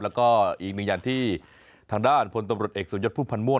แล้วก็อีกหนึ่งยันที่ทางด้านพลตรวจเอกส่วนยศพุทธภัณฑ์ม่วง